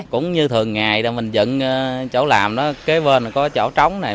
cũng như thường ngày mình dựng chỗ làm đó kế bên có chỗ trống này